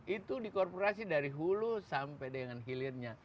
itu dikorporasi dari hulu sampai dengan hilirnya